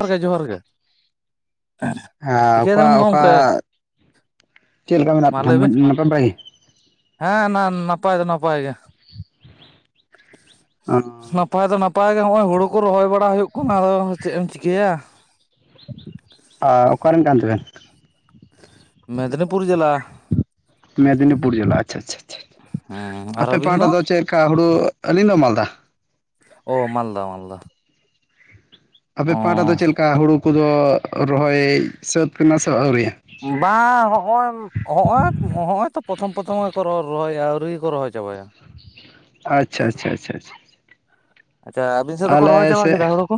ᱡᱟᱦᱟᱨ ᱜᱮ ᱡᱚᱦᱟᱨ ᱜᱮ᱾ ᱦᱮ ᱪᱤᱠᱟᱹᱭ ᱚᱠᱟ ᱫᱟᱵᱮᱱ ᱚᱠᱟ ᱜᱚᱢᱠᱮ ᱪᱮᱫ ᱞᱮᱠᱟ ᱢᱮᱱᱟᱜ ᱢᱟ ᱵᱤᱱᱟ ᱞᱟᱹᱭ ᱵᱮᱱ ᱢᱚᱡ ᱱᱟᱯᱟᱭ ᱵᱟᱲᱟ ᱜᱮ? ᱦᱮᱸ ᱱᱟ ᱱᱟᱯᱟᱭ ᱫᱚ ᱱᱟᱯᱟᱭ ᱜᱮ᱾ ᱚ ᱱᱟᱯᱟᱭ ᱫᱚ ᱱᱟᱯᱟᱭ ᱜᱮ ᱦᱚᱼᱚᱭ ᱦᱩᱲᱩ ᱠᱚ ᱨᱚᱦᱚᱭ ᱵᱟᱲᱟ ᱦᱩᱭᱩᱜ ᱠᱟᱱᱟ ᱟᱫᱚ ᱪᱮᱫ ᱮᱢ ᱪᱤᱠᱟᱹᱭᱟ᱾ ᱟᱨ ᱚᱠᱟᱨᱮᱱ ᱠᱟᱱ ᱛᱮᱵᱮᱱ? ᱢᱮᱫᱽᱱᱤᱯᱩᱨ ᱡᱮᱞᱟ᱾ ᱢᱮᱫᱽᱱᱤᱯᱩᱨ ᱡᱮᱞᱟ ᱟᱪᱪᱷᱟ ᱪᱷᱟ ᱦᱩᱸ ᱟᱯᱮ ᱟᱨ ᱟᱹᱵᱤᱱ ᱯᱟᱦᱴᱟ ᱫᱚ ᱪᱮᱫ ᱞᱮᱠᱟ ᱦᱩᱲᱩ? ᱟᱹᱞᱤᱧ ᱫᱚ ᱢᱟᱞᱫᱟ᱾ ᱚ ᱢᱟᱞᱫᱟ ᱢᱟᱞᱫᱟ᱾ ᱚ ᱟᱯᱮ ᱯᱟᱦᱴᱟᱫᱚ ᱪᱮᱫ ᱞᱮᱠᱟ ᱦᱩᱲᱳ ᱠᱚᱫᱚ ᱨᱚᱦᱚᱭ ᱥᱟᱹᱛ ᱠᱱᱟ ᱥᱮ ᱟᱹᱣᱨᱤ? ᱵᱟ ᱦᱚᱼᱚᱢ ᱦᱚᱜᱼᱚᱭ ᱦᱚᱜᱼᱚᱭ ᱛᱚ ᱯᱨᱚᱛᱷᱚᱢ ᱯᱨᱚᱛᱷᱚᱢ ᱜᱮᱠᱚ ᱨᱚ-ᱨᱚᱦᱚᱭᱟ ᱟᱹᱣᱨᱤ ᱠᱚ ᱨᱚᱦᱚᱭ ᱪᱟᱵᱟᱭᱟ᱾ ᱟᱪᱪᱷᱟ ᱟᱪᱪᱷᱟ ᱪᱷᱟ ᱪᱷᱟ᱾ ᱟᱪᱪᱷᱟ ᱟᱹᱵᱤᱱ ᱥᱮᱫ ᱫᱚᱠᱚ ᱨᱚᱦᱚᱭ ᱪᱟᱵᱟ ᱠᱮᱫᱟ ᱦᱳᱲᱳ ᱠᱚ?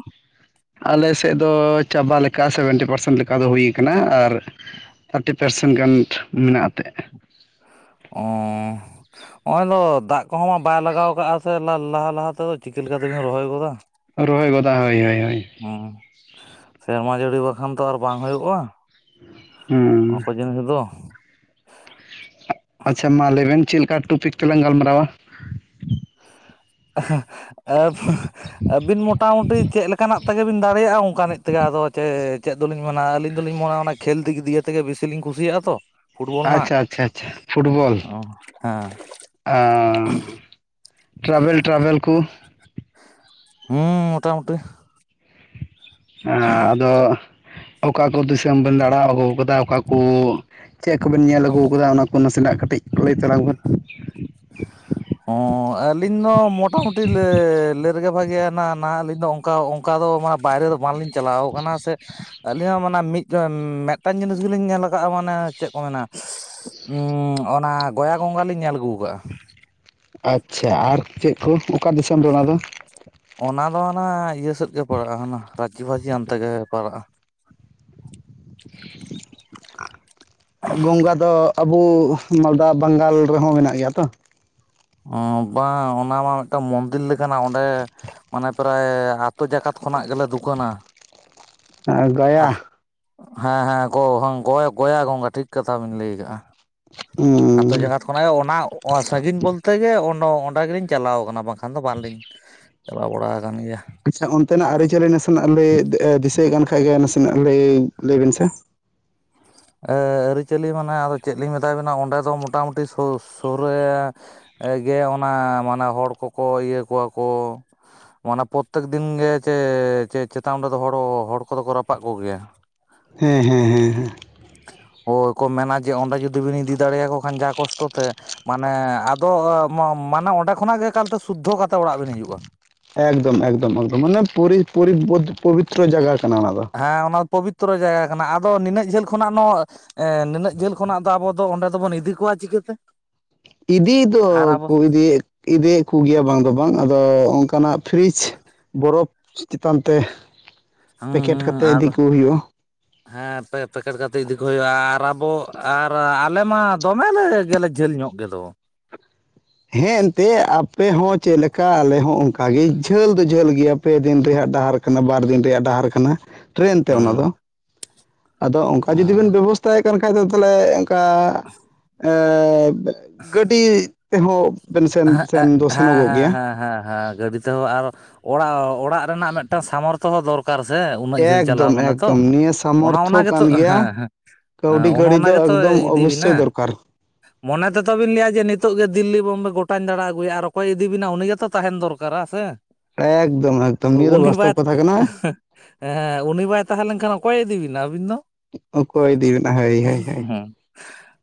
ᱟᱞᱮ ᱥᱮᱫ ᱫᱚ ᱪᱟᱵᱟ ᱞᱮᱠᱟ ᱥᱮᱵᱷᱮᱱᱴᱤ ᱯᱟᱨᱥᱮᱱ ᱞᱮᱠᱟ ᱫᱚ ᱦᱩᱭ ᱠᱟᱱᱟ ᱟᱨ ᱛᱷᱟᱨᱴᱤ ᱯᱟᱨᱥᱮᱱᱴ ᱜᱟᱱ ᱢᱮᱱᱟᱜ ᱮᱛᱮᱜ᱾ ᱚᱸᱻ ᱦᱚᱜᱼᱚᱭ ᱫᱚ ᱫᱟᱜ ᱠᱚᱦᱚᱸ ᱵᱟᱭ ᱞᱟᱜᱟᱣ ᱟᱠᱟᱜᱼᱟ ᱥᱮ ᱞᱟᱦᱟ ᱞᱟᱦᱟ ᱛᱮᱫᱚ ᱪᱤᱠᱟᱹ ᱞᱮᱠᱟᱛᱮᱵᱤᱱ ᱨᱚᱦᱚᱭ ᱜᱚᱫᱟ᱾ ᱨᱚᱦᱚᱭ ᱜᱚᱫᱟ ᱦᱳᱭ ᱦᱳᱭ ᱦᱳᱭ᱾ ᱦᱩᱸ, ᱥᱮᱨᱢᱟ ᱡᱟᱹᱲᱤ ᱵᱟᱠᱷᱟᱱ ᱛᱚ ᱟᱨ ᱵᱟᱝ ᱦᱳᱭᱳᱜᱼᱟ᱾ ᱦᱩᱸ᱾ [unintelligible] ᱟᱪᱪᱷᱟ ᱢᱟ ᱞᱟᱹᱭᱵᱮᱱ ᱪᱮᱜ ᱞᱮᱠᱟ ᱴᱚᱯᱤᱠ ᱛᱮᱞᱟᱝ ᱜᱟᱞᱢᱟᱨᱟᱣᱟ? ᱟᱦᱟᱸ ᱟᱵ ᱟᱹᱵᱤᱱ ᱢᱚᱴᱟᱢᱩᱴᱤ ᱪᱮᱜ ᱞᱮᱠᱟᱱᱟᱜ ᱛᱮᱜᱮ ᱵᱤᱱ ᱫᱟᱲᱮᱭᱟᱜᱼᱟ ᱚᱱᱠᱟᱱᱤᱡ ᱛᱮᱜᱮ ᱟᱫᱚ ᱪᱮ ᱪᱮᱫ ᱫᱚᱞᱤᱧ ᱢᱮᱱᱟ ᱟᱹᱞᱤᱧ ᱫᱚᱞᱤᱧ ᱢᱮᱱᱟ ᱚᱱᱟ ᱠᱷᱮᱞ ᱫᱤᱠᱟᱛᱮᱫ ᱜᱮ ᱵᱮᱥᱤ ᱞᱤᱧ ᱠᱩᱥᱤᱭᱟᱜᱼᱟ ᱛᱚ ᱯᱷᱩᱴᱵᱚᱞ ᱨᱮᱱᱟᱜ ᱟᱪᱪᱷᱟ ᱟᱪᱪᱷᱟ ᱟᱪᱪᱷᱟ ᱯᱷᱩᱴᱵᱚᱞ ᱦᱮᱸ ᱟᱸ ᱴᱨᱟᱵᱷᱮᱞ ᱴᱨᱟᱵᱷᱮᱞ ᱠᱚ ᱦᱩᱸ ᱢᱚᱴᱟᱢᱩᱴᱤ᱾ ᱟ ᱟᱫᱚ, ᱚᱠᱟ ᱠᱚ ᱫᱤᱥᱚᱢ ᱵᱱ ᱫᱟᱬᱟ ᱟᱹᱜᱩ ᱟᱠᱟᱫᱟ ᱚᱠᱟ ᱠᱩ ᱪᱮᱜ ᱠᱚᱵᱮᱱ ᱧᱮᱞ ᱟᱹᱜᱩ ᱠᱟᱫᱟ ᱚᱱᱟ ᱠᱚ ᱱᱟᱥᱮᱱᱟᱜ ᱠᱟᱹᱴᱤᱡ ᱞᱟᱹᱭ ᱛᱚᱞᱟᱝ ᱵᱤᱱ᱾ ᱦᱚ ᱟᱹᱞᱤᱧ ᱫᱚ ᱢᱚᱴᱟᱢᱩᱴᱤ ᱞᱮ-ᱞᱮ ᱨᱮᱜᱮ ᱵᱷᱟᱜᱮᱭᱟ ᱱᱟ ᱱᱟᱦᱟ ᱟᱹᱞᱤᱧ ᱫᱚ ᱚᱱᱠᱟ ᱚᱱᱠᱟ ᱫᱚ ᱢᱟᱱᱮ ᱵᱟᱭᱨᱮ ᱫᱚ ᱵᱟᱝᱞᱤᱧ ᱪᱟᱞᱟᱣ ᱠᱟᱱᱟ ᱥᱮ ᱟᱹᱞᱤᱧ ᱦᱚᱸ ᱢᱟᱱᱮ ᱢᱤᱫ ᱢᱤᱫᱴᱟᱝ ᱡᱤᱱᱤᱥ ᱜᱮᱞᱤᱧ ᱧᱮᱞ ᱠᱟᱜᱼᱟ ᱢᱟᱱᱮ ᱪᱮᱜ ᱠᱚ ᱢᱮᱱᱟ ᱩᱸ ᱚᱱᱟ ᱜᱚᱭᱟ ᱜᱚᱸᱜ ᱞᱤᱧ ᱧᱮᱞ ᱟᱹᱜᱩ ᱠᱟᱜᱼᱟ ᱾ ᱟᱪᱪᱷᱟ ᱟᱨ ᱪᱮᱜ ᱠᱚ ᱚᱠᱟ ᱫᱤᱥᱚᱢ ᱨᱮ ᱚᱱᱟ ᱫᱚ? ᱚᱱᱟ ᱫᱚ ᱦᱟᱱᱟ ᱤᱭᱟᱹ ᱥᱮᱫ ᱜᱮ ᱯᱟᱲᱟᱜᱼᱟ ᱟᱱᱟ ᱨᱟᱪᱤ ᱵᱷᱟᱹᱡᱤ ᱦᱟᱱᱛᱮᱜ ᱜᱮ ᱯᱟᱲᱟᱜᱼᱟ᱾ ᱜᱚᱸᱜᱟ ᱫᱚ ᱟᱵᱩ ᱢᱟᱞᱫᱟ ᱵᱟᱝᱜᱟᱞ ᱨᱮᱦᱚᱸ ᱢᱮᱱᱟᱜ ᱜᱮᱭᱟ ᱛᱚ? ᱚ ᱵᱟᱝ ᱚᱱᱟ ᱢᱟ ᱢᱤᱫᱴᱟᱝ ᱢᱚᱱᱫᱤᱨ ᱞᱮᱠᱟᱱᱟ ᱚᱸᱰᱮ ᱢᱟᱱᱮ ᱯᱨᱟᱭ ᱟᱛᱳ ᱡᱟᱠᱟᱛ ᱠᱷᱚᱱᱟᱜ ᱜᱮᱞᱮ ᱫᱩᱠᱟᱹᱱᱟ᱾ ᱟ ᱜᱟᱭᱟ᱾ ᱦᱮᱸ ᱦᱮᱸ ᱜᱚ-ᱜᱚᱜᱚᱭᱟ ᱜᱚᱸᱜᱟ ᱴᱷᱤᱠ ᱠᱟᱛᱷᱟ ᱵᱤᱱ ᱞᱟᱹᱭ ᱠᱟᱜᱼᱟ᱾ ᱟᱛᱳ ᱡᱟᱜᱟᱛ ᱠᱷᱚᱱᱟᱜᱮ ᱚᱱᱟ ᱥᱟᱺᱜᱤᱧ ᱵᱚᱞᱛᱮ ᱜᱮ ᱚᱸᱰᱮ ᱜᱮᱞᱤᱧ ᱪᱟᱞᱟᱣ ᱠᱟᱱᱟ ᱵᱟᱝ ᱠᱷᱟᱱ ᱫᱚ ᱵᱟᱝᱞᱤᱧ ᱪᱟᱞᱟᱣ ᱵᱟᱲᱟ ᱠᱟᱱ ᱜᱮᱭᱟ᱾ ᱟᱪᱪᱷᱟ ᱚᱱᱛᱮᱱᱟᱜ ᱟᱹᱨᱤᱪᱟᱹᱞᱤ ᱱᱟᱥᱮᱱᱟᱜ ᱞᱟᱹᱭ ᱫᱤᱥᱟᱹᱭᱮᱜ ᱠᱟᱱ ᱠᱷᱟᱡ ᱜᱮ ᱱᱟᱥᱮᱱᱟᱜ ᱞᱟᱹᱭ ᱞᱟᱹᱭᱵᱤᱱ ᱥᱮ᱾ ᱟᱹᱨᱤᱪᱟᱹᱞᱤ ᱢᱟᱱᱮ ᱟᱫᱚ ᱪᱮᱫ ᱞᱤᱧ ᱢᱮᱛᱟ ᱵᱮᱱᱟ ᱚᱸᱰᱮ ᱫᱚ ᱢᱳᱴᱟᱢᱩᱴᱤ ᱥᱳ-ᱥᱳᱨᱮ ᱜᱮ ᱚᱱᱟ ᱢᱟᱱᱮ ᱦᱚᱲ ᱠᱚᱠᱚ ᱤᱭᱟᱹ ᱠᱚᱣᱟ ᱠᱚ᱾ ᱢᱟᱱᱮ ᱯᱨᱚᱛᱮᱠ ᱫᱤᱱ ᱜᱮ ᱪᱮ ᱪᱮᱛᱟ ᱚᱱᱰᱮᱫᱚ ᱦᱚᱲ ᱦᱚᱲ ᱠᱚᱫᱚ ᱠᱚ ᱨᱟᱯᱟᱜ ᱠᱚᱜᱮᱭᱟ? ᱦᱮᱸ ᱦᱮᱸ ᱦᱮᱸ ᱦᱮᱸ᱾ ᱦᱳ ᱠᱚ ᱢᱮᱱᱟ ᱡᱮ ᱚᱸᱰᱮ ᱡᱩᱫᱤ ᱵᱤᱱ ᱤᱫᱤ ᱫᱟᱲᱮᱭᱟ ᱠᱚ ᱠᱷᱟᱱ ᱡᱟ ᱠᱚᱥᱴᱚ ᱛᱮ ᱢᱟᱱᱮ ᱟᱫᱚ ᱢᱟᱱᱮ ᱚᱸᱰᱮ ᱠᱷᱚᱱᱟᱜ ᱜᱮ ᱮᱠᱟᱞ ᱛᱮ ᱥᱩᱫᱽᱫᱷᱚ ᱠᱟᱛᱮᱫ ᱚᱲᱟᱜ ᱵᱮᱱ ᱦᱤᱡᱩᱜᱼᱟ᱾ ᱮᱠᱫᱚᱢ ᱮᱠᱫᱚᱢ ᱮᱠᱫᱚᱢ ᱢᱟᱱᱮ ᱯᱩᱨᱤ ᱯᱚᱵᱤᱛᱨᱚ ᱡᱟᱭᱜᱟ ᱠᱟᱱᱟ ᱚᱱᱟ ᱫᱚ᱾ ᱦᱮᱸ ᱚᱱᱟ ᱯᱚᱵᱤᱛᱨᱚ ᱡᱟᱭᱜᱟ ᱠᱟᱱᱟ ᱟᱫᱚ ᱱᱤᱱᱟᱹᱜ ᱡᱷᱟᱹᱞ ᱠᱷᱚᱱᱟᱜ ᱱᱚ ᱮᱸ ᱱᱤᱱᱟᱹᱜ ᱡᱟᱹᱞ ᱠᱷᱚᱱᱟᱜ ᱫᱚ ᱟᱵᱚ ᱫᱚ ᱚᱸᱰᱮ ᱫᱚᱵᱚᱱ ᱤᱫᱤ ᱠᱚᱣᱟ ᱪᱤᱠᱟᱹᱛᱮ? ᱤᱫᱤ ᱫᱚ ᱟᱨ ᱟᱵᱚ ᱠᱚ ᱤᱫᱤᱭᱮᱫ, ᱤᱫᱤᱭᱟ ᱠᱚ ᱜᱮᱭᱟ ᱵᱟᱝ ᱫᱚ ᱵᱟᱝ ᱟᱫᱚ ᱚᱝᱠᱟᱱᱟᱜ ᱯᱷᱨᱤᱡᱽ ᱵᱚᱨᱚᱯ ᱪᱮᱛᱟᱱᱛᱮ ᱦᱩᱸ ᱯᱮᱠᱮᱴ ᱦᱩᱸ ᱠᱟᱛᱮ ᱤᱫᱤ ᱟᱫᱚ ᱠᱚ ᱦᱩᱭᱩᱜ-ᱟ᱾ ᱦᱮᱸ ᱯᱮ-ᱯᱮᱠᱮᱴ ᱠᱟᱛᱮ ᱤᱫᱤ ᱠᱚ ᱦᱩᱭᱩᱜ-ᱟ, ᱟᱨ ᱟᱵᱚ, ᱟᱨ ᱟᱞᱮ ᱢᱟ ᱫᱚᱢᱮ ᱞᱮ ᱜᱮᱞᱮ ᱡᱷᱟᱹᱞ ᱧᱚᱜ ᱜᱮᱫᱚ᱾ ᱦᱮᱸ ᱮᱱᱛᱮᱜ ᱟᱯᱮ ᱦᱚᱸ ᱪᱮᱫ ᱞᱮᱠᱟ ᱟᱞᱮ ᱦᱚᱸ ᱚᱝᱠᱟ ᱜᱮ ᱡᱷᱟᱹᱞ ᱫᱚ ᱡᱷᱟᱹᱞ ᱜᱮᱭᱟ᱾ ᱯᱮ ᱫᱤᱱ ᱨᱮᱭᱟᱜ ᱰᱟᱦᱟᱨ ᱠᱟᱱᱟ, ᱵᱟᱨ ᱫᱤᱱ ᱨᱮᱭᱟᱜ ᱰᱟᱦᱟᱨ ᱠᱟᱱᱟ, ᱴᱨᱮᱱ ᱛᱮ ᱚᱱᱟ ᱫᱚ᱾ ᱦᱮᱸ ᱟᱫᱚ ᱚᱝᱠᱟ ᱡᱩᱫᱤ ᱦᱮᱸ ᱵᱮᱱ ᱵᱮᱵᱚᱥᱛᱟᱭᱮᱫ ᱠᱟᱱ ᱠᱷᱟᱡ ᱫᱚ ᱛᱟᱦᱞᱮ ᱚᱝᱠᱟ ᱮᱸᱻ ᱜᱟᱹᱰᱤ ᱛᱮᱦᱚᱸ ᱵᱮᱱ ᱥᱮᱱ, ᱦᱮᱸ ᱥᱮᱱ ᱮᱸᱜ ᱫᱚ ᱦᱮᱸ ᱥᱮᱱᱚᱜᱚᱜ ᱦᱮᱸ ᱜᱮᱭᱟ᱾ ᱦᱮᱸ ᱦᱮᱸ ᱜᱟᱹᱰᱤ ᱛᱮᱦᱚᱸ ᱟᱨ ᱚᱲᱟᱜ, ᱚᱲᱟᱜ ᱨᱮᱱᱟᱜ ᱢᱤᱫᱴᱟᱝ ᱥᱟᱢᱚᱨᱛᱷᱚ ᱦᱚᱸ ᱫᱚᱨᱠᱟᱨ ᱫᱚᱨᱠᱟᱨ ᱥᱮ ᱩᱱᱟᱹᱜ ᱡᱷᱟᱹᱞ ᱪᱟᱞᱟᱣ ᱮᱠᱫᱚᱢ ᱢᱟᱱᱮ ᱛᱚ ᱮᱠᱫᱚᱢ ᱱᱤᱭᱟᱹ ᱥᱟᱢᱚᱨᱛᱷᱚ ᱚᱱᱟ ᱜᱮᱛᱚ ᱠᱟᱱ ᱜᱮᱭᱟ ᱦᱮᱸ ᱦᱮᱸ᱾ ᱮᱸ, ᱠᱟᱹᱣᱰᱤ ᱚᱱᱮ ᱠᱟᱹᱣᱰᱤ ᱚᱱᱟ ᱫᱚ ᱜᱮᱛᱚᱭ ᱮᱠᱫᱚᱢ ᱤᱫᱤ ᱚᱵᱚᱥᱥᱳᱭ ᱵᱤᱱᱟ᱾ ᱫᱚᱨᱠᱟᱨ ᱢᱚᱱᱮ ᱛᱮᱫᱚ ᱵᱤᱱ ᱞᱟᱹᱭᱟ ᱡᱮ ᱱᱤᱛᱚᱜ ᱜᱮ ᱫᱤᱞᱞᱤ, ᱵᱚᱢᱵᱮ ᱜᱚᱴᱟᱧ ᱫᱟᱬᱟ ᱟᱹᱜᱩᱭᱟ ᱟᱨ ᱚᱠᱚᱭ ᱤᱫᱤ ᱵᱮᱱᱟ ᱩᱱᱤ ᱜᱮᱛᱚ ᱛᱟᱸᱦᱮᱱ ᱫᱚᱨ ᱠᱟᱨᱟ ᱥᱮ, ᱮᱠᱫᱚᱢ ᱮᱠᱫᱚᱢ ᱱᱤᱭᱟᱹ ᱫᱚ ᱩᱱᱤ ᱵᱟᱭ ᱵᱟᱥᱛᱚᱵ ᱠᱟᱛᱷᱟ ᱠᱟᱱᱟ ᱦᱮᱸ ᱩᱱᱤ ᱵᱟᱭ ᱛᱟᱦᱮᱸ ᱞᱮᱱᱠᱷᱟᱱ ᱚᱠᱚᱭᱮ ᱤᱫᱤ ᱵᱤᱱᱟ ᱟᱹᱵᱤᱱ ᱫᱚ? ᱚᱠᱚᱭ ᱤᱫᱤ ᱵᱮᱱᱟ ᱦᱳᱭ ᱦᱳᱭ ᱦᱳᱭ᱾ ᱦᱮᱸ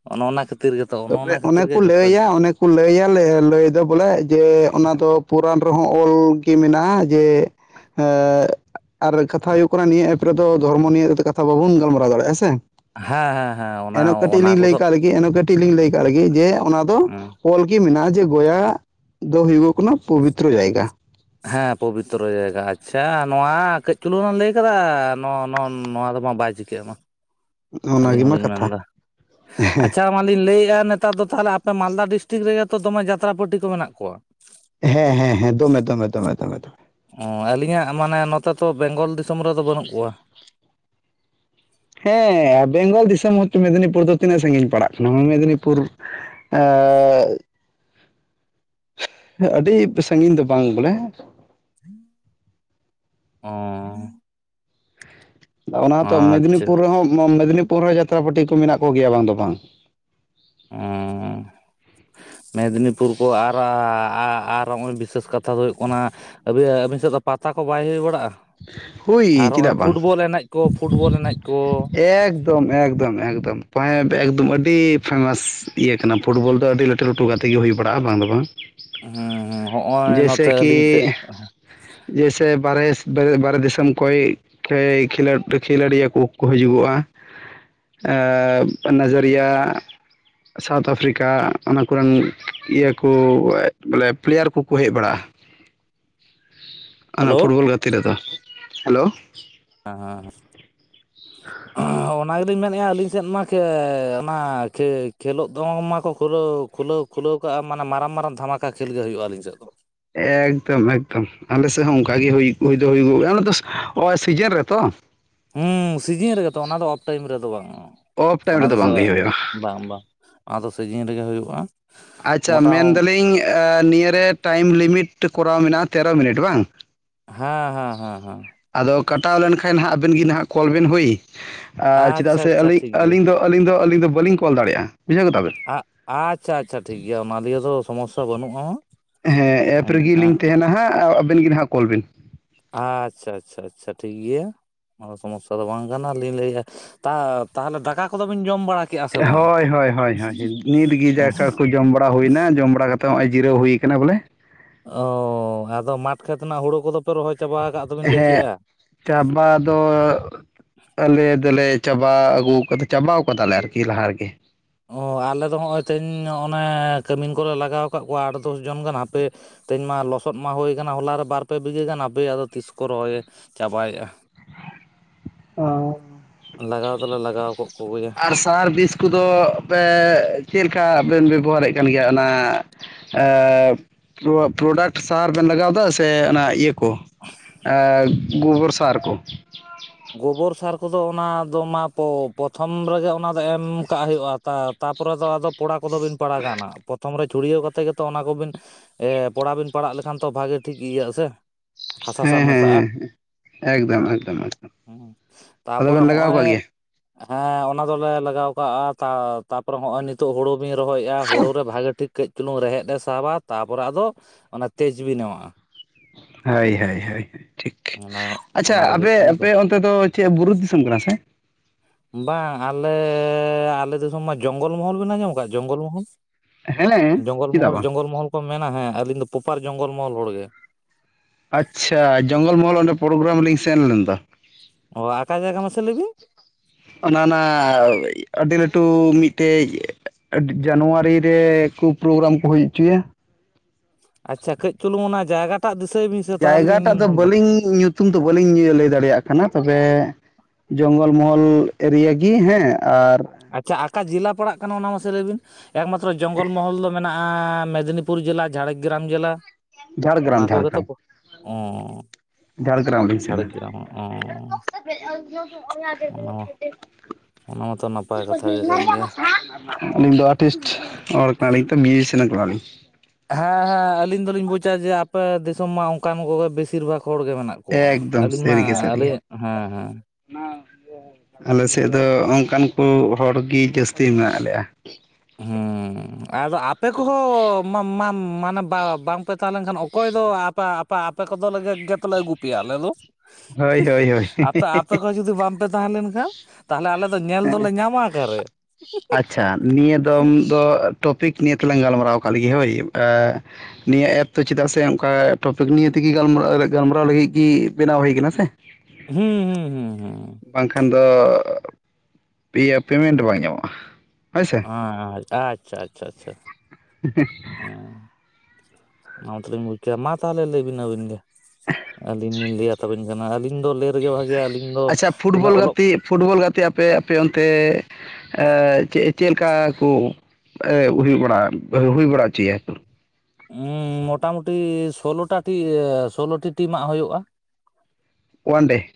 ᱚᱱᱮ ᱚᱱᱟ ᱠᱷᱟᱹᱛᱤᱨ ᱜᱮ᱾ ᱜᱮᱛᱚ ᱛᱚᱵᱮ ᱚᱱᱟ ᱚᱱᱮ ᱠᱷᱟᱹᱛᱤᱨ ᱠᱚ ᱡᱷᱚᱛᱚ ᱦᱮᱸ ᱞᱟᱹᱭᱟ ᱚᱱᱮ ᱠᱚ ᱞᱟᱹᱭᱟ, ᱞᱟᱹᱭ ᱫᱚ ᱵᱚᱞᱮ ᱡᱮ ᱚᱱᱟ ᱫᱚ ᱯᱩᱨᱟᱱ ᱨᱮᱦᱚᱸ ᱚᱞ ᱜᱮ ᱢᱮᱱᱟᱜ-ᱟ ᱡᱮ, ᱦᱮᱸᱜ, ᱟᱨ ᱠᱟᱛᱷᱟ ᱦᱩᱭᱩᱜ ᱠᱟᱱᱟ ᱱᱤᱭᱟᱹ ᱮᱯ ᱨᱮᱫᱚ ᱫᱷᱚᱨᱢᱚ ᱱᱤᱭᱟᱹ ᱠᱟᱛᱷᱟ ᱵᱟᱵᱚᱱ ᱜᱟᱞᱢᱟᱨᱟᱣ ᱫᱟᱲᱮᱜ-ᱟ ᱥᱮ᱾ ᱦᱮᱸ ᱦᱮᱸ ᱚᱱᱟ ᱮᱱᱦᱚᱸ ᱠᱟᱹᱴᱤᱡ ᱚᱱᱟ ᱞᱤᱧ ᱞᱟᱹᱭ ᱠᱚᱫᱚ ᱠᱟᱜ ᱞᱮᱜᱮ, ᱮᱱᱦᱚᱸ ᱠᱟᱹᱴᱤᱡ ᱞᱤᱧ ᱞᱟᱹᱭ ᱠᱟᱜ ᱞᱮᱜᱮ ᱡᱮ ᱚᱱᱟ ᱫᱚ ᱚᱞ ᱜᱮ ᱢᱮᱱᱟᱜ-ᱟ ᱡᱮ ᱜᱚᱭᱟ ᱫᱚ ᱦᱩᱭᱩᱜᱚᱜ ᱠᱟᱱᱟ ᱯᱚᱵᱤᱛᱨᱚ ᱡᱟᱭᱜᱟ᱾ ᱦᱮᱸ ᱯᱚᱵᱤᱛᱨᱚ ᱡᱟᱭᱜᱟ, ᱟᱪᱪᱷᱟ ᱱᱚᱣᱟ ᱠᱟᱺᱡ ᱪᱩᱞᱩᱝᱮᱢ ᱞᱟᱹᱭ ᱠᱟᱫᱟ ᱱᱚ-ᱱᱚ-ᱱᱚᱣᱟ ᱛᱮᱫᱚ ᱵᱟᱭ ᱪᱤᱠᱟᱹᱜ-ᱟ ᱢᱟ ᱟᱹᱞᱤᱧ ᱚᱱᱟᱜᱮᱢᱟ ᱦᱚᱸᱞᱤᱧ ᱠᱟᱛᱷᱟ ᱢᱮᱱᱫᱟ, ᱟᱪᱪᱷᱟ ᱱᱚᱣᱟ ᱞᱤᱧ ᱞᱟᱹᱭᱮᱜ-ᱟ ᱱᱮᱛᱟᱨ ᱫᱚ ᱛᱟᱦᱞᱮ ᱟᱯᱮ ᱢᱟᱞᱫᱟ ᱰᱤᱥᱴᱤᱠ ᱨᱮᱜᱮ ᱛᱚ ᱫᱚᱢᱮ ᱡᱟᱛᱨᱟ ᱯᱟᱹᱴᱤ ᱠᱚ ᱢᱮᱱᱟᱜ ᱠᱚᱣᱟ? ᱦᱮᱸ ᱦᱮᱸ ᱦᱮᱸ, ᱫᱚᱢᱮ ᱫᱚᱢᱮ ᱫᱚᱢᱮ ᱫᱚᱢᱮ ᱫᱚᱢᱮ᱾ ᱚ, ᱟᱹᱞᱤᱧᱟᱜ ᱢᱟᱱᱮ ᱱᱚᱛᱮ ᱛᱚ ᱵᱮᱝᱜᱚᱞ ᱫᱤᱥᱚᱢ ᱨᱮᱫᱚ ᱵᱟᱹᱱᱩᱜ ᱠᱚᱣᱟ᱾ ᱦᱮᱸ ᱵᱮᱝᱜᱚᱞ ᱫᱤᱥᱚᱢ ᱦᱚᱸᱛᱚ ᱢᱮᱫᱽᱱᱤᱯᱩᱨ ᱫᱚ ᱛᱤᱱᱟᱹᱜ ᱥᱟᱺᱜᱤᱧ ᱯᱟᱲᱟᱜ ᱠᱟᱱᱟ ᱢᱮᱫᱽᱱᱤᱯᱩᱨ? ᱟᱸᱜᱻ ᱟᱹᱰᱤ ᱥᱟᱺᱜᱤᱧ ᱫᱚ ᱵᱟᱝ ᱵᱚᱞᱮ᱾ [inaudible] ᱚ᱾ ᱟᱫᱚ ᱚᱱᱟ ᱦᱚᱸᱛᱚ ᱟᱪᱪᱷᱟ ᱢᱮᱫᱽᱱᱤᱯᱩᱨ ᱨᱮᱦᱚᱸ, ᱢᱮᱫᱽᱱᱤᱯᱩᱨ ᱨᱮ ᱡᱟᱛᱨᱟ ᱯᱟᱹᱴᱤ ᱠᱚ ᱢᱮᱱᱟᱜ ᱠᱚ ᱜᱮᱭᱟ ᱵᱟᱝ ᱫᱚ ᱵᱟᱝ᱾ ᱚᱻ, ᱢᱮᱫᱽᱱᱤᱯᱩᱨ ᱠᱚ ᱟᱨᱟ ᱟᱨ ᱟᱨ ᱫᱚ ᱵᱟᱝ, ᱵᱤᱥᱮᱥ ᱠᱟᱛᱷᱟ ᱫᱚ ᱦᱩᱭᱩᱜ ᱠᱟᱱᱟ ᱟᱹᱵᱤᱱ, ᱟᱹᱵᱤᱱ ᱥᱮᱫ ᱫᱚ ᱯᱟᱛᱟ ᱠᱚ ᱵᱟᱭ ᱦᱩᱭ ᱵᱟᱲᱟᱜ-ᱟ? ᱦᱩᱭ ᱟᱨ ᱦᱚᱸᱜ-ᱚᱭ ᱪᱮᱫᱟᱜ ᱵᱟᱝ ᱯᱷᱩᱴᱵᱚᱞ ᱮᱱᱮᱡ ᱠᱚ, ᱯᱷᱩᱴᱵᱚᱞ ᱮᱱᱮᱡ ᱠᱚ? ᱮᱠᱚᱢ ᱮᱠᱫᱚᱢ ᱮᱠᱫᱚᱢ ᱯᱚᱸᱭᱮᱱᱴ ᱮᱠᱫᱚᱢ ᱟᱹᱰᱤ ᱯᱷᱮᱢᱟᱥ ᱤᱭᱟᱹ ᱠᱟᱱᱟ ᱯᱷᱩᱴᱵᱚᱞ ᱫᱚ ᱟᱹᱰᱤ ᱞᱟᱹᱴᱩ ᱞᱟᱹᱴᱩ ᱜᱟᱛᱮ ᱜᱮ ᱦᱩᱭ ᱵᱟᱲᱟᱜ-ᱟ ᱵᱟᱝ ᱫᱚ ᱵᱟᱝ᱾ ᱦᱩᱸ ᱦᱚᱸᱜᱼᱚᱭ ᱡᱮᱭᱥᱮ ᱱᱚᱛᱮ ᱠᱤ ᱟᱹᱞᱤᱧ ᱥᱮᱫ ᱡᱮᱭᱥᱮ ᱵᱟᱨᱮᱥ ᱫᱚᱢᱮ ᱵᱟᱦᱨᱮ ᱫᱤᱥᱚᱢ ᱠᱷᱚᱡ ᱮᱻ ᱠᱷᱮᱞᱳᱸᱰ ᱠᱷᱮᱞᱳᱰᱤᱭᱟᱹ ᱠᱚᱠᱚ ᱦᱤᱡᱩᱜᱚᱜ-ᱟ᱾ ᱮᱸᱜ, ᱱᱟᱡᱟᱨᱤᱭᱟ ᱥᱟᱣᱩᱛᱷ ᱟᱯᱷᱨᱤᱠᱟ ᱚᱱᱟ ᱠᱚᱨᱮᱱ ᱤᱭᱟᱹ ᱠᱚ ᱵᱚᱞᱮ ᱯᱞᱮᱭᱟᱨ ᱠᱚᱠᱚ ᱦᱮᱡ ᱵᱟᱲᱟᱜ-ᱟ᱾ ᱚᱱᱟ ᱦᱮᱞᱳ ᱯᱷᱩᱴᱵᱚᱞ ᱜᱟᱛᱮ ᱨᱮᱫᱚ, ᱦᱮᱞᱳ᱾ ᱦᱟᱸᱻ [inaudible] ᱚᱱᱟ ᱜᱮᱞᱤᱧ ᱢᱮᱱᱮᱫᱼᱟ ᱟᱹᱞᱤᱧ ᱥᱮᱫ ᱢᱟ ᱠᱷᱮ ᱚᱱᱟ ᱠᱷᱮ ᱠᱷᱮᱞᱳᱜ ᱫᱚ ᱢᱟᱠᱚ ᱠᱷᱩᱞᱟᱹᱣ ᱠᱷᱩᱞᱟᱹᱣ ᱠᱷᱩᱞᱟᱹᱣᱟᱜᱼᱟ ᱢᱟᱱᱮ ᱢᱟᱨᱟᱝ ᱢᱟᱨᱟᱝ ᱫᱷᱟᱢᱟᱠᱟ ᱠᱷᱮᱞ ᱜᱮ ᱦᱩᱭᱩᱜᱼᱟᱞᱤᱧ ᱥᱮᱫ ᱫᱚ᱾ ᱮᱠᱫᱚᱢ ᱮᱠᱫᱚᱢ ᱟᱞᱮ ᱥᱮᱫ ᱦᱚᱸ ᱚᱝᱠᱟᱜ ᱜᱮ ᱦᱩᱭ ᱦᱩᱭ ᱫᱚ ᱦᱩᱭᱩᱜᱚᱜ ᱜᱮᱭᱟ ᱚᱱᱟ ᱫᱚ ᱚ ᱥᱤᱡᱮᱱ ᱨᱮᱛᱚ? ᱦᱩᱸ ᱥᱤᱡᱤᱱ ᱨᱮᱜᱮ ᱛᱚ ᱚᱱᱟ ᱫᱚ ᱚᱯᱷ ᱴᱟᱭᱤᱢ ᱨᱮᱫᱚ ᱵᱟᱝᱼᱟ ᱚᱯᱷ ᱚᱱᱟ ᱴᱟᱭᱤᱢ ᱨᱮᱫᱚ ᱫᱚ ᱵᱟᱝ ᱜᱮ ᱦᱩᱭᱩᱜᱼᱟ ᱵᱟᱝ ᱵᱟᱝ᱾ ᱚᱱᱟᱫᱚ ᱥᱤᱡᱤᱱ ᱨᱮᱜᱮ ᱦᱩᱭᱩᱜᱼᱟ᱾ ᱟᱪᱪᱷᱟ ᱢᱚᱴᱟ ᱢᱮᱱᱫᱟᱞᱤᱧ ᱟ ᱱᱤᱭᱟᱹᱨᱮ ᱴᱟᱭᱤᱢ ᱞᱤᱢᱤᱴ ᱠᱚᱨᱟᱣ ᱢᱮᱱᱟᱜᱼᱟ ᱛᱮᱨᱚ ᱢᱤᱱᱤᱴ ᱵᱟᱝ? ᱦᱮᱸ ᱦᱮᱸ ᱦᱮᱸ ᱦᱮᱸ᱾ ᱟᱫᱚ ᱠᱟᱴᱟᱣ ᱞᱮᱱᱠᱷᱟᱱ ᱦᱟᱸᱜ ᱟᱵᱮᱱ ᱜᱮ ᱱᱟᱦᱟᱸᱜ ᱠᱚᱞ ᱵᱮᱱ ᱦᱳᱭ, ᱟ ᱪᱮᱫᱟᱜ ᱟᱪᱪᱷᱟ ᱥᱮ ᱟᱪᱪᱷᱟ ᱟᱹᱞᱤᱧ ᱴᱷᱤᱠ ᱜᱮᱭᱟ ᱟᱹᱞᱤᱧ ᱫᱚ ᱟᱹᱞᱤᱧ ᱫᱚ ᱟᱹᱞᱤᱧ ᱫᱚ ᱵᱟᱞᱤᱧ ᱠᱚᱞᱟᱲᱭᱟᱜᱼᱟ ᱵᱩᱡᱷᱟᱹᱣ ᱠᱮᱫᱟᱚᱵᱮᱱ᱾ ᱟᱜ ᱟᱪᱪᱷᱟ ᱟᱪᱪᱷᱟ ᱴᱷᱤᱠ ᱜᱮᱭᱟ ᱚᱱᱟᱞᱤᱭᱮ ᱫᱚ ᱥᱚᱢᱚᱥᱥᱟ ᱵᱟᱹᱱᱩᱜᱼᱟ᱾ ᱦᱮᱸ ᱮᱯ ᱨᱮᱜ ᱞᱤᱧ ᱛᱟᱦᱮᱸᱱᱟ ᱦᱟᱸᱜ ᱟᱵᱮᱱ ᱜᱮ ᱱᱟᱦᱟᱸᱜ ᱠᱚᱞ ᱵᱤᱱ᱾ ᱟᱪᱪᱷᱟ ᱪᱷᱟ ᱪᱷᱟ ᱴᱷᱤᱠ ᱜᱮᱭᱟ᱾ ᱚᱱᱟ ᱫᱚ ᱥᱚᱢᱚᱥᱥᱟ ᱫᱚ ᱵᱟᱝ ᱠᱟᱱᱟ ᱞᱤᱧ ᱞᱟᱹᱭᱮᱫᱼᱟ ᱛᱟ ᱛᱟᱦᱚᱞᱮ ᱫᱟᱠᱟ ᱠᱚᱫᱚᱵᱤᱱ ᱡᱚᱢ ᱵᱟᱲᱟ ᱠᱮᱜᱼᱟ ᱥᱮ ᱵᱟᱝ ᱦᱳᱭ ᱦᱳᱭ ᱦᱳᱭ ᱦᱳᱭ ᱱᱤᱛᱜᱮ ᱚ ᱫᱟᱠᱟ ᱠᱚ ᱡᱚᱢ ᱵᱟᱲᱟ ᱦᱩᱭᱱᱟ ᱡᱚᱢ ᱵᱟᱲᱟ ᱠᱟ ᱛᱚ ᱱᱚᱸᱜᱼᱚᱭ ᱡᱤᱨᱟᱹᱣ ᱦᱩᱭ ᱠᱟᱱᱟ ᱵᱚᱞᱮ᱾ ᱚᱻ ᱟᱫᱚ ᱢᱟᱴᱷ ᱠᱷᱮᱛ ᱨᱮᱱᱟᱜ ᱦᱩᱲᱩ ᱠᱚᱫᱚ ᱯᱮ ᱨᱚᱦᱚᱭ ᱪᱟᱵᱟ ᱠᱟᱫ ᱦᱮᱸᱜ ᱪᱟᱵᱟ ᱫᱚ ᱟᱞᱮ ᱫᱚᱞᱮ ᱪᱟᱵᱟ ᱟᱹᱜᱩᱠᱟᱫᱟ ᱪᱟᱵᱟ ᱠᱟᱫᱟᱞᱮ ᱟᱨᱠᱤ ᱞᱟᱦᱟ ᱨᱮᱜᱮ᱾ ᱚ ᱟᱞᱮᱫᱚ ᱦᱚᱸᱜᱼᱚᱭ ᱛᱮᱦᱮᱧ ᱱᱚᱸᱜᱼᱱᱮ ᱠᱟᱹᱢᱤᱱ ᱠᱚᱞᱮ ᱞᱟᱜᱟᱣ ᱠᱟᱜ ᱠᱚᱣᱟ ᱟᱴ ᱫᱚᱥ ᱡᱚᱱ ᱜᱟᱱ ᱦᱟᱯᱮ ᱛᱮᱦᱮᱧ ᱢᱟ ᱞᱚᱥᱚᱫ ᱢᱟ ᱦᱩᱭ ᱠᱟᱱᱟ ᱦᱚᱞᱟ ᱨᱮ ᱵᱟᱨ ᱯᱮ ᱵᱤᱜᱷᱟᱹ ᱜᱟᱱ ᱟᱯᱮ ᱟᱫᱚ ᱛᱤᱥ ᱠᱚ ᱨᱚᱦᱚᱭᱮ ᱪᱟᱵᱟᱭᱮᱫᱼᱟ᱾ ᱚ᱾ ᱞᱟᱜᱟᱣ ᱫᱚᱞᱮ ᱞᱟᱜᱟᱣ ᱠᱚᱜ ᱠᱚᱜᱮᱭᱟ᱾ ᱟᱨ ᱥᱟᱨ ᱵᱤᱥ ᱠᱚᱫᱚ ᱯᱮ ᱪᱮᱫ ᱞᱮᱠᱟ ᱵᱮᱱ ᱵᱮᱵᱚᱦᱟᱨᱮᱫ ᱠᱟᱱ ᱜᱮᱭᱟ ᱚᱱᱟ ᱮᱸᱜ ᱯᱨᱚᱰᱟᱠᱴ ᱥᱟᱨ ᱵᱮᱱ ᱞᱟᱜᱟᱣᱫᱟ ᱥᱮ ᱚᱱᱟ ᱤᱭᱟᱹ ᱠᱚ ᱮᱸ ᱜᱩᱵᱚᱨ ᱥᱟᱨ ᱠᱚ? ᱜᱳᱵᱚᱨ ᱥᱟᱨ ᱠᱚᱫᱚ ᱚᱱᱟ ᱫᱚ ᱢᱟᱛᱚ ᱯᱨᱚᱛᱷᱚᱢ ᱨᱮᱜᱮ ᱚᱱᱟᱫᱚ ᱮᱢ ᱠᱟᱜ ᱦᱩᱭᱩᱜᱼᱟ ᱛᱟ ᱛᱟᱯᱚᱨᱮ ᱫᱚ ᱟᱫᱚ ᱯᱚᱲᱟ ᱠᱚᱫᱚ ᱵᱤᱱ ᱯᱟᱲᱟᱜ ᱠᱟ ᱱᱟᱜ, ᱯᱨᱚᱛᱷᱚᱢ ᱨᱮ ᱪᱷᱩᱲᱭᱟᱹᱣ ᱠᱟᱛᱮ ᱜᱮᱛᱚ ᱚᱱᱟ ᱠᱚᱵᱤᱱ ᱯᱚᱲᱟᱵᱤᱱ ᱯᱟᱲᱟᱜ ᱞᱮᱠᱷᱟᱱ ᱛᱚ ᱵᱷᱟᱜᱮ ᱴᱷᱤᱠ ᱤᱭᱟᱹᱜᱼᱟ ᱥᱮ? ᱦᱟᱥᱟ ᱥᱟᱶ ᱦᱮᱸ ᱦᱮᱸ ᱢᱮᱥᱟᱜᱼᱟ ᱦᱮᱸ ᱮᱠᱫᱚᱢ ᱮᱠᱫᱚᱢ᱾ ᱦᱩᱸ ᱟᱫᱚ ᱛᱟᱯᱚᱨᱮ ᱵᱮᱱ ᱞᱟᱜᱟᱣ ᱦᱚᱸᱜᱼᱚᱭ ᱠᱟᱜ ᱜᱮᱭᱟ ᱦᱮᱸ ᱚᱱᱟ ᱫᱚᱞᱮ ᱞᱟᱜᱟᱣ ᱠᱟᱜᱼᱟ ᱛᱟ ᱛᱟ ᱯᱚᱨᱮ ᱦᱚᱸᱜ ᱱᱤᱛᱳᱜ ᱦᱩᱲᱩ ᱵᱤᱱ ᱨᱚᱦᱚᱭᱮᱫᱼᱟ ᱦᱩᱲᱳ ᱨᱮ ᱵᱷᱟᱜᱮ ᱴᱷᱤᱠ ᱠᱟᱹᱡ ᱪᱩᱞᱩᱝ ᱨᱮᱦᱮᱫ ᱮ ᱥᱟᱵᱟ ᱛᱟ ᱯᱚᱨᱮ ᱟᱫᱚ ᱚᱱᱟ ᱛᱮᱡᱽᱵᱤ ᱮᱢᱟᱜᱼᱟ᱾ ᱦᱳᱭ ᱦᱳᱭ ᱦᱳᱭ ᱴᱷᱤᱠ᱾ ᱚᱱᱟ ᱚᱱᱟ ᱜᱮ ᱦᱩᱭᱩᱜ ᱠᱟᱱᱟ ᱠᱟ ᱱᱚᱛᱮ ᱫᱚ ᱪᱮᱫ ᱵᱩᱨᱩ ᱫᱤᱥᱚᱢ ᱠᱟᱱᱟ ᱥᱮ? ᱵᱟᱝ ᱟᱞᱮ ᱟᱞᱮ ᱫᱤᱥᱚᱢ ᱢᱟ ᱡᱚᱝᱜᱚᱞ ᱢᱚᱦᱚᱞ ᱵᱮᱱ ᱟᱸᱡᱚᱢ ᱟᱠᱟᱟᱜ ᱡᱚᱝᱜᱚᱞ ᱢᱚᱦᱚᱞ? ᱦᱮᱸ ᱡᱚᱝᱜᱚᱞ ᱪᱮᱫᱟᱜ ᱢᱚᱦᱚᱞ ᱵᱟᱝ ᱡᱚᱝᱜᱚᱞ ᱢᱚᱦᱚᱞ ᱠᱚ ᱢᱮᱱᱟ ᱦᱮᱸ ᱟᱹᱞᱤᱧ ᱫᱚ ᱯᱚᱯᱟᱨ ᱡᱚᱝᱜᱚᱞ ᱢᱚᱦᱚᱞ ᱦᱚᱲ ᱜᱮ᱾ ᱟᱪᱪᱷᱟ ᱡᱚᱝᱜᱚᱞ ᱢᱚᱦᱚᱞ ᱚᱸᱰᱮ ᱯᱨᱳᱜᱨᱟᱢ ᱞᱤᱧ ᱥᱮᱱ ᱞᱮᱱ ᱫᱚ᱾ ᱚ ᱟᱠᱟ ᱡᱟᱭᱜᱟ ᱢᱟᱥᱮ ᱞᱟᱹᱭ ᱵᱮᱱ? ᱚᱱᱟ ᱱᱟ ᱟᱹᱰᱤ ᱞᱟᱹᱴᱩ ᱢᱤᱫᱴᱮᱡ ᱟᱹᱰᱤ ᱡᱟᱱᱩᱣᱟᱨᱤ ᱨᱮ ᱯᱨᱳᱜᱨᱟᱢ ᱠᱚ ᱦᱩᱭ ᱚᱪᱚᱭᱟ᱾ ᱟᱪᱪᱷᱟ ᱠᱟᱹᱡ ᱪᱩᱞᱩᱝ ᱚᱱᱟ ᱡᱟᱭᱜᱟᱴᱟᱜ ᱫᱤᱥᱟᱹᱭ ᱵᱤᱱ ᱥᱮ ᱛᱟᱦᱚᱞᱮᱧ [unintelligible] ᱛᱩᱢ ᱫᱚ ᱵᱟᱹᱞᱤᱧ ᱞᱟᱹᱭ ᱫᱟᱲᱮᱭᱟᱜ ᱠᱟᱱᱟ, ᱛᱚᱵᱮ ᱡᱚᱝᱜᱚᱞ ᱢᱚᱦᱚᱞ ᱮᱨᱤᱭᱟ ᱜᱤ ᱦᱮᱸ ᱟᱨ ᱟᱪᱪᱷᱟ ᱟᱠᱟ ᱡᱮᱞᱟ ᱯᱟᱲᱟᱜ ᱠᱟᱱᱟ ᱚᱱᱟ ᱢᱟᱥᱮ ᱞᱟᱹᱭ ᱵᱤᱱ ᱮᱠᱢᱟᱛᱨᱚ ᱡᱚᱝᱜᱚᱞ ᱢᱚᱦᱚᱞ ᱫᱚ ᱢᱮᱱᱟᱜᱼᱟ ᱢᱮᱫᱽᱱᱤᱯᱩᱨ [unintelligible] ᱡᱮᱞᱟ ᱡᱷᱟᱲᱜᱨᱟᱢ ᱡᱮᱞᱟ ᱚᱱᱟ ᱡᱷᱟᱲᱜᱨᱟᱢ ᱠᱚᱜᱮ ᱛᱚ ᱚᱼᱼ ᱡᱷᱟᱲᱮᱜᱨᱟᱢ ᱞᱤᱧ ᱥᱮᱱ ᱞᱮᱱᱟ ᱚᱱᱟ ᱢᱟ ᱚᱱᱟ ᱢᱟᱛᱚ ᱱᱟᱯᱟᱭᱼᱼ ᱟᱹᱞᱤᱧ ᱫᱚ ᱟᱨᱴᱤᱥᱴ ᱦᱚᱲ ᱠᱟᱱᱟ ᱞᱤᱧ ᱛᱚ ᱢᱤᱭᱩᱡᱤᱥᱤᱭᱟᱱ ᱠᱟᱱᱟ ᱞᱤᱧ ᱦᱮᱸ ᱦᱮᱸ ᱟᱹᱞᱤᱧ ᱫᱚᱞᱤᱧ ᱵᱩᱡᱟ ᱡᱮ ᱟᱯᱮ ᱫᱤᱥᱚᱢ ᱢᱟ ᱚᱱᱠᱟᱱ ᱠᱚᱜᱮ ᱵᱮᱥᱤᱨ ᱵᱷᱟᱜᱽ ᱦᱚᱲ ᱜᱮ ᱢᱮᱱᱟᱜ ᱠᱚᱣᱟ᱾ ᱮᱠᱫᱚᱢ ᱟᱹᱞᱤᱧ ᱢᱟ ᱥᱟᱹᱨᱤᱜᱮ ᱥᱟᱹᱨᱤᱜᱮ ᱟᱞᱮᱭᱟᱜ ᱦᱮᱸ ᱦᱮᱸ, ᱟᱞᱮ ᱥᱮᱫ ᱫᱚ ᱚᱱᱠᱟᱱ ᱠᱚ ᱦᱚᱲ ᱜᱤ ᱡᱟᱹᱥᱛᱤ ᱢᱮᱱᱟᱜ ᱞᱮᱭᱟ᱾ ᱦᱮᱸ [unintelligible] ᱟᱯᱮ ᱠᱚᱦᱚᱸ ᱢᱟ-ᱢᱟ-ᱢᱟ-ᱢᱟᱱᱮ ᱵᱟᱝ- ᱵᱟᱝ ᱯᱮ ᱛᱟᱦᱮᱸ ᱞᱮᱱ ᱠᱷᱟᱱ ᱚᱠᱚᱭ ᱫᱚ ᱟᱯᱟ ᱟᱯᱮ [unintelligible] ᱟᱯᱮ ᱠᱚᱫᱚ ᱞᱮ ᱜᱮᱛᱚ ᱞᱮ ᱟᱹᱜᱩ ᱯᱮᱭᱟ ᱟᱞᱮ ᱫᱚ᱾ ᱦᱳᱭ ᱦᱳᱭ ᱦᱳᱭ ᱟᱛᱟ ᱟᱯᱮ ᱠᱚ ᱡᱩᱫᱤ ᱵᱟᱝ ᱯᱮ ᱛᱟᱦᱮᱸ ᱞᱮᱱ ᱠᱷᱟᱱ ᱛᱟᱦᱚᱞᱮ ᱟᱞᱮ ᱫᱚ ᱧᱮᱞ ᱫᱚᱞᱮ ᱧᱟᱢ ᱚᱠᱟ ᱨᱮ᱾ ᱟᱪᱪᱷᱟ ᱱᱤᱭᱟᱹ ᱫᱚᱢ ᱫᱚ ᱴᱚᱯᱤᱠ ᱱᱤᱭᱟᱹ ᱛᱮᱞᱟᱝ ᱜᱟᱞᱢᱟᱨᱟᱣ ᱟᱠᱟᱜ ᱞᱮᱜᱮ ᱦᱳᱭ, ᱱᱤᱭᱟᱹ ᱮᱯ ᱫᱚ ᱪᱮᱫᱟᱜ ᱥᱮ ᱚᱱᱠᱟ ᱴᱚᱯᱤᱠ ᱱᱤᱭᱮ ᱛᱮᱜᱮ ᱜᱟᱞᱢᱟᱨᱟᱣ ᱜᱟᱞᱢᱟᱨᱟᱣ ᱞᱟᱹᱜᱤᱫ ᱜᱤᱼᱼ ᱵᱮᱱᱟᱣ ᱦᱩᱭ ᱟᱠᱟᱱᱟ ᱥᱮ᱾ ᱦᱩᱸ ᱦᱩᱸ ᱦᱩᱸ, ᱵᱟᱝ ᱠᱷᱟᱱ ᱫᱚ ᱯᱮᱭᱟ ᱯᱮᱢᱮᱱᱴ ᱵᱟᱝ ᱧᱟᱢᱚᱜᱼᱟ ᱦᱳᱭ ᱥᱮ‍᱾ [unintelligible] ᱟᱪᱪᱷᱟ ᱟᱪᱪᱷᱟ ᱟᱪᱪᱷᱟ, ᱦᱮᱸ [inaudible] ᱚᱱᱟ ᱢᱟᱛᱚᱞᱤᱧ ᱵᱩᱡᱽ ᱠᱮᱫᱟ, ᱢᱟ ᱛᱟᱦᱚᱞᱮ ᱞᱟᱹᱭ ᱵᱤᱱ ᱟᱹᱵᱤᱱ ᱜᱮ? ᱟᱹᱞᱤᱧ ᱞᱤᱧ ᱞᱟᱹᱭ ᱟᱛᱟᱵᱮᱱ ᱠᱟᱱᱟ ᱟᱹᱞᱤᱧ ᱫᱚ ᱞᱟᱹᱭ ᱨᱮᱜᱮ ᱵᱷᱟᱜᱮᱭᱟ ᱟᱹᱞᱤᱧ ᱫᱚ ᱟᱪᱪᱷᱟ ᱩᱱᱟᱹᱜ ᱯᱷᱩᱴᱵᱚᱞ ᱚᱞᱚᱜ ᱜᱟᱛᱮᱜ ᱯᱷᱩᱴᱵᱚᱞ ᱜᱟᱛᱮᱜ ᱟᱯᱮ ᱟᱯᱮ ᱚᱱᱛᱮᱼᱼ ᱮ ᱪᱮᱫ ᱪᱮᱫ ᱞᱮᱠᱟ ᱠᱩ ᱦᱩᱭᱩᱜ ᱵᱟᱲᱟ ᱦᱩᱭ ᱵᱟᱲᱟ ᱦᱚᱪᱚᱭᱟ? ᱢᱚᱴᱟᱢᱩᱴᱤ ᱥᱳᱞᱳᱴᱟ ᱴᱤ ᱥᱳᱞᱳᱴᱤ ᱴᱤᱢᱟᱜ ᱦᱩᱭᱩᱜᱼᱟ᱾ ᱳᱭᱟᱱ ᱰᱮ᱾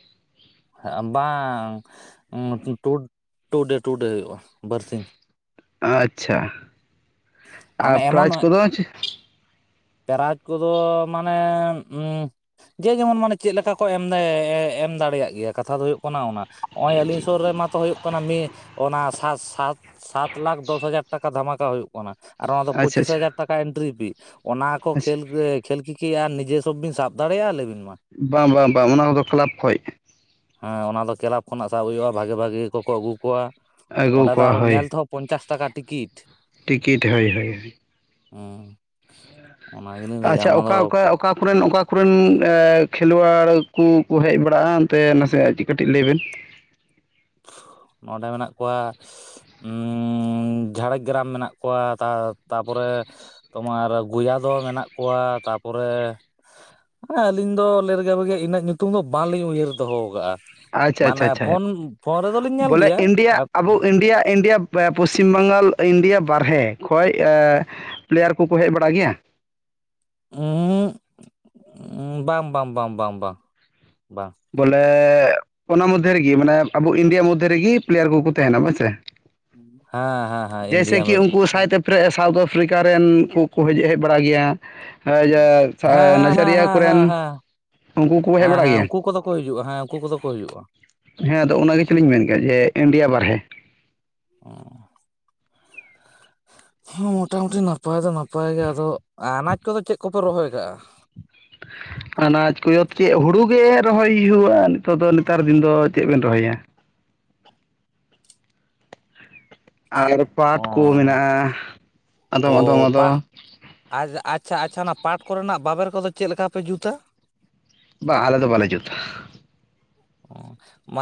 ᱟ ᱵᱟᱝ ᱴᱩ ᱰᱮ ᱴᱩ ᱰᱮ ᱦᱩᱭᱩᱜᱼᱟ ᱵᱟᱨᱥᱤᱧ᱾ ᱟᱪᱪᱷᱟ ᱟᱨ ᱢᱟᱱᱮ ᱯᱨᱟᱭᱤᱡᱽ ᱠᱚᱫᱚ ᱯᱨᱟᱡᱽ ᱠᱚᱫᱚ ᱢᱟᱱᱮ ᱡᱮ ᱡᱮᱢᱚᱱ ᱢᱟᱱᱮ ᱪᱮᱫ ᱞᱮᱠᱟ ᱠᱚ ᱮᱢ ᱮᱢ ᱫᱟᱲᱮᱭᱟᱜ ᱜᱮᱭᱟ ᱠᱟᱛᱷᱟ ᱫᱚ ᱦᱩᱭᱩᱜ ᱠᱟᱱᱟ ᱚᱱᱟ ᱱᱚᱜᱼᱚᱭ ᱟᱹᱞᱤᱧ ᱥᱩᱨ ᱨᱮᱢᱟ ᱛᱚ ᱦᱩᱭᱩᱜ ᱠᱟᱱᱟ ᱾ᱢᱤᱫ ᱚᱱᱟ ᱥᱟᱛ ᱥᱟᱛ ᱥᱟᱛ ᱞᱟᱠᱷ ᱫᱚᱥ ᱦᱟᱡᱟᱨ ᱴᱟᱠᱟ ᱫᱷᱟᱢᱟᱠᱟ ᱦᱩᱭᱩᱜ ᱠᱟᱱᱟ ᱟᱨ ᱚᱱᱟ ᱫᱚ ᱟᱪᱪᱷᱟ ᱯᱚᱸᱪᱤᱥ ᱦᱟᱡᱟᱨ ᱴᱟᱠᱟ ᱮᱱᱴᱨᱤ ᱯᱷᱤ ᱚᱱᱟ ᱠᱚ ᱟᱪᱪᱷᱟ ᱠᱷᱮᱞ ᱠᱷᱮᱞ ᱠᱤ ᱠᱤ ᱟᱨ ᱱᱤᱡᱮᱥᱚᱵ ᱵᱤᱱ ᱥᱟᱵ ᱫᱟᱲᱮᱭᱟᱜᱼᱟ ᱞᱟᱹᱭ ᱵᱤᱱ ᱢᱟ᱾ ᱵᱟᱝ ᱵᱟᱝ ᱵᱟᱝ ᱚᱱᱟ ᱠᱚᱫᱚ ᱠᱞᱟᱵᱽ ᱠᱷᱚᱡ᱾ ᱦᱮᱸ ᱚᱱᱟ ᱫᱚ ᱠᱮᱞᱟᱵᱽ ᱠᱷᱚᱱᱟᱜ ᱥᱟᱵ ᱦᱩᱭᱩᱜᱼᱟ ᱵᱷᱟᱜᱮ ᱵᱷᱟᱜᱮ ᱠᱚᱠᱚ ᱟᱹᱜᱩ ᱠᱚᱣᱟ᱾ ᱟᱹᱜᱩ ᱚᱸᱰᱮ ᱫᱚ ᱠᱚᱣᱟ ᱟᱨᱚ ᱧᱮᱞ ᱦᱳᱭ ᱛᱮᱦᱚᱸ ᱯᱚᱧᱪᱟᱥ ᱴᱟᱠᱟ ᱴᱤᱠᱤᱴ᱾ ᱴᱤᱠᱤᱴ ᱦᱳᱭ ᱦᱳᱭ ᱦᱳᱭ᱾ [unintelligible] ᱚᱱᱟ ᱜᱮᱞᱤᱧ ᱞᱟᱹᱭᱮᱫᱼᱟ ᱟᱪᱪᱷᱟ ᱚᱱᱟ ᱚᱠᱟ ᱫᱚ ᱚᱠᱟ ᱚᱠᱟᱼᱼ ᱠᱚ ᱨᱮᱱ ᱚᱠᱟ ᱠᱚᱨᱮᱱ ᱠᱷᱮᱞᱣᱟᱲ ᱠᱚ ᱠᱚ ᱦᱮᱡ ᱵᱟᱲᱟᱜᱼᱟ ᱚᱱᱛᱮ ᱱᱟᱥᱮ ᱠᱟᱹᱴᱤᱡ ᱞᱟᱹᱭ ᱵᱮᱱ? ᱚᱸᱰᱮ ᱢᱮᱱᱟᱜ ᱠᱚᱣᱟ [unintelligible] ᱡᱷᱟᱲᱮᱜᱨᱟᱢ ᱢᱮᱱᱟᱜ ᱠᱚᱣᱟ, ᱛᱟᱨᱯᱚᱨᱮ ᱛᱳᱢᱟᱨ ᱜᱩᱭᱟ ᱫᱚᱦᱚ ᱢᱮᱱᱟᱜ ᱠᱚᱣᱟ, ᱛᱟᱨᱯᱚᱨᱮ ᱦᱮᱸ ᱟᱹᱞᱤᱧ ᱫᱚ ᱞᱮ ᱨᱮᱜᱮ ᱵᱷᱟᱜᱮ ᱤᱱᱟᱹᱜ ᱧᱩᱛᱩᱢ ᱫᱚ ᱵᱟᱝᱞᱤᱧ ᱩᱭᱦᱟᱹᱨ ᱫᱚᱦᱚ ᱟᱠᱟᱜᱼᱟ᱾ ᱟᱪᱪᱷᱟ ᱢᱟᱱᱮ ᱟᱪᱪᱷᱟ ᱟᱪᱪᱷᱟ ᱯᱷᱳᱱ ᱯᱷᱳᱱ ᱨᱮᱫᱚ ᱞᱤᱧ ᱧᱮᱞ ᱵᱚᱞᱮ ᱜᱮᱭᱟ᱾ ᱤᱱᱰᱤᱭᱟ ᱟᱵᱚ India India Paschim Bengal India ᱵᱟᱨᱦᱮ ᱠᱷᱚᱱ ᱯᱞᱮᱭᱟᱨ ᱠᱚᱠᱚ ᱦᱮᱡ ᱵᱟᱲᱟ ᱜᱮᱭᱟ? ᱦᱩᱸ, ᱵᱟᱝ ᱵᱟᱝ ᱵᱟᱝ ᱵᱟᱝ ᱵᱟᱝ ᱵᱟᱝ, ᱵᱚᱞᱮ ᱚᱱᱟ ᱢᱚᱫᱽᱫᱷᱮ ᱨᱮᱜᱮ ᱢᱟᱱᱮ ᱟᱵᱚ ᱤᱱᱰᱤᱭᱟ ᱢᱚᱫᱽᱫᱷᱮ ᱨᱮᱜᱮ ᱯᱞᱮᱭᱟᱨ ᱠᱚᱠᱚ ᱛᱟᱦᱮᱸᱱᱟ ᱵᱟᱝ ᱥᱮ? ᱦᱮᱸ ᱦᱮᱸ ᱦᱮᱸ ᱤᱱᱰᱤᱭᱟ ᱢᱟ ᱮᱯᱮ ᱥᱟᱣᱩᱛᱷ ᱟᱯᱷᱨᱤᱠᱟ ᱨᱮᱱ ᱠᱚᱠᱚ ᱦᱮᱡ ᱵᱟᱲᱟᱜ ᱜᱮᱭᱟ᱾ ᱦᱮᱸ ᱦᱮᱸ ᱱᱟᱡᱟᱨᱤᱭᱟᱹ ᱠᱚᱨᱮᱱ ᱦᱮᱸ ᱦᱮᱸ ᱩᱱᱠᱩ ᱠᱚᱠᱚ ᱦᱮᱡ ᱦᱮᱸ ᱵᱟᱲᱟ ᱦᱮᱸ ᱜᱮᱭᱟ? ᱩᱱᱠᱩ ᱠᱚᱫᱚ ᱠᱚ ᱦᱤᱡᱩᱜᱼᱟ, ᱦᱮᱸ ᱩᱱᱠᱩ ᱠᱚᱫᱚ ᱠᱚ ᱦᱩᱭᱩᱜᱼᱟ᱾ ᱦᱮᱸ ᱟᱫᱚ ᱚᱱᱟ ᱜᱮᱛᱚ ᱞᱤᱧ ᱢᱮᱱ ᱠᱮᱫᱼᱟ ᱡᱮ ᱤᱱᱰᱤᱭᱟ ᱵᱟᱨᱦᱮ ᱦᱮᱸ ᱦᱮᱸ ᱢᱚᱴᱟᱼᱢᱩᱴᱤ ᱱᱟᱯᱟᱭ ᱫᱚ ᱱᱟᱯᱟᱭ ᱜᱮ᱾ ᱟᱫᱚ ᱟᱱᱟᱡᱽ ᱠᱚᱫᱚ ᱪᱮᱫ ᱠᱚᱯᱮ ᱨᱚᱦᱚᱭ ᱠᱟᱜᱼᱟ? [inaudible] ᱟᱱᱟᱡᱽ ᱠᱚᱫᱚ ᱪᱮᱫ ᱦᱩᱲᱩ ᱜᱮ ᱨᱚᱦᱚᱭ ᱦᱩᱭᱩᱜᱼᱟ᱾ ᱱᱤᱛᱚᱜ ᱫᱚ ᱱᱮᱛᱟᱨ ᱫᱤᱱ ᱫᱚ ᱪᱮᱫ ᱵᱮᱱ ᱨᱚᱦᱚᱭᱟ? ᱟᱞᱮ ᱫᱚ ᱯᱟᱴ ᱠᱚ ᱚ ᱢᱮᱱᱟᱜᱼᱟ, ᱟᱫᱚᱢ ᱟᱫᱚᱢ ᱟᱫᱚ ᱟᱪᱪᱷᱟ ᱟᱪᱪᱷᱟ ᱟᱪᱪᱷᱟ, ᱚᱱᱟ ᱯᱟᱴ ᱠᱚᱨᱮᱱᱟᱜ ᱵᱟᱵᱮᱨ ᱠᱚᱫᱚ ᱪᱮᱫ ᱞᱮᱠᱟ ᱯᱮ ᱡᱩᱛᱟ? ᱵᱟ ᱟᱞᱮ ᱫᱚ ᱵᱟᱞᱮ ᱡᱩᱛᱟ ᱾ ᱢᱟ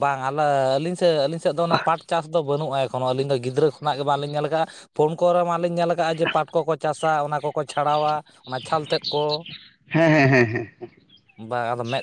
ᱵᱟᱝ ᱟᱞᱮ ᱟᱞᱤᱧ ᱥᱮᱫ ᱟᱞᱤᱧ ᱥᱮᱫ ᱫᱚ ᱚᱱᱟ ᱯᱟᱴ ᱪᱟᱥ ᱵᱟᱹᱱᱩᱜᱼᱟ, ᱮᱠᱷᱚᱱᱚ ᱟᱹᱞᱤᱧ ᱫᱚ ᱜᱤᱫᱽᱨᱟᱹ ᱠᱷᱚᱱᱟᱜ ᱜᱮ ᱵᱟᱝᱞᱤᱧ ᱧᱮᱞ ᱠᱟᱜᱼᱟ᱾ ᱯᱷᱳᱱ ᱠᱚᱨᱮ ᱢᱟᱞᱤᱧ ᱧᱮᱞ ᱠᱟᱜᱼᱟ ᱡᱮ ᱯᱟᱴ ᱠᱚᱠᱚ ᱪᱟᱥ ᱚᱱᱟ ᱠᱚᱠᱚ ᱪᱷᱟᱲᱟᱣᱟ᱾ ᱚᱱᱟ ᱪᱷᱟᱞ ᱛᱮᱫ ᱠᱚ ᱦᱮᱸ ᱦᱮᱸ ᱦᱮᱸ ᱦᱮᱸ ᱵᱟᱝ, ᱟᱫᱚ ᱢᱮᱫ